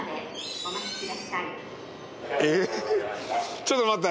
ちょっと待った。